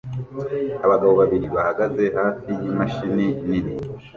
Abagabo babiri bahagaze hafi yimashini nini